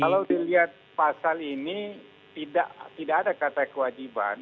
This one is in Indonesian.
kalau dilihat pasal ini tidak ada kata kewajiban